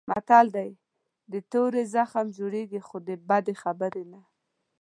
متل دی: د تورې زخم جوړېږي خو د بدې خبرې نه.